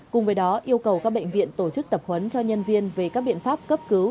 cùng với đó yêu cầu các bệnh viện tổ chức tập huấn cho nhân viên về các biện pháp cấp cứu